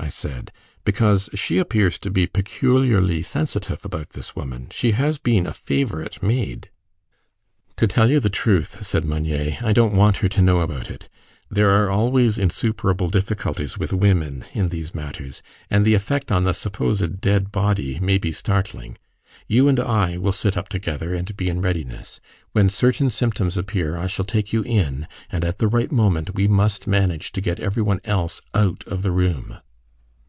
I said, "because she appears to be peculiarly sensitive about this woman: she has been a favourite maid." "To tell you the truth," said Meunier, "I don't want her to know about it. There are always insuperable difficulties with women in these matters, and the effect on the supposed dead body may be startling. You and I will sit up together, and be in readiness. When certain symptoms appear I shall take you in, and at the right moment we must manage to get every one else out of the room."